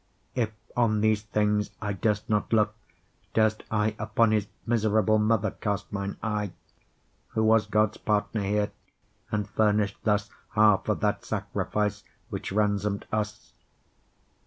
If on these things I durst not looke, durst IUpon his miserable mother cast mine eye, Who was Gods partner here, and furnish'd thusHalfe of that Sacrifice, which ransom'd us?